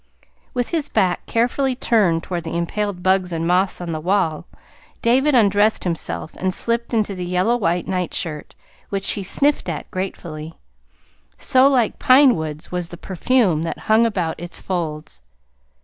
With his back carefully turned toward the impaled bugs and moths on the wall, David undressed himself and slipped into the yellow white nightshirt, which he sniffed at gratefully, so like pine woods was the perfume that hung about its folds.